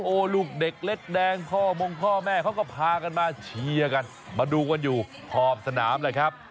โอ้โหลูกเด็กเล็กแดงพ่อมงพ่อแม่เขาก็พากันมาเชียร์กันมาดูกันอยู่ขอบสนามเลยครับ